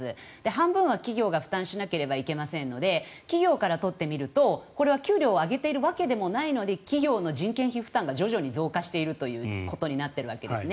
半分は企業が負担しなければいけませんので企業からとってみるとこれは給料を上げているわけでもないのに企業の人件費負担が徐々に増加しているということになっているわけです。